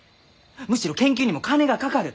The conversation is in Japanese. むしろ研究にも金がかかる。